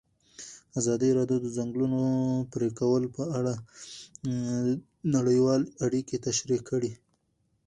ازادي راډیو د د ځنګلونو پرېکول په اړه نړیوالې اړیکې تشریح کړي.